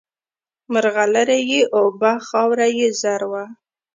مرغلري یې اوبه خاوره یې زر وه